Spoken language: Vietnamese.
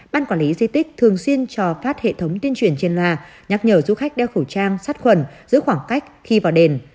ban quản lý di tích thường xuyên cho phát hệ thống tuyên truyền trên loa nhắc nhở du khách đeo khẩu trang sát khuẩn giữ khoảng cách khi vào đền